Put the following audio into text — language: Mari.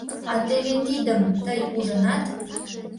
— А теве тидым тый ужынат?